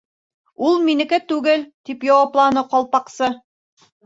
—Ул минеке түгел, —тип яуапланы Ҡалпаҡсы.